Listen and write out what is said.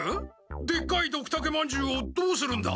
でっかいドクタケまんじゅうをどうするんだ？